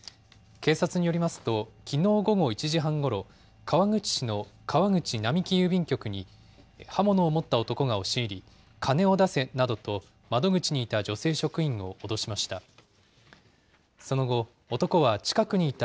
警察によりますと、きのう午後１時半ごろ、川口市の川口並木郵便局に刃物を持った男が押し入り、金を出せなどと窓口にいた女性職員を脅しました。